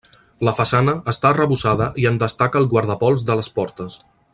La façana està arrebossada i en destaca el guardapols de les portes.